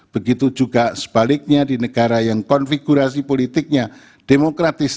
begitu juga sebaliknya di negara yang konfigurasi politiknya demokratis